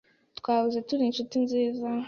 Twahoze turi inshuti nziza.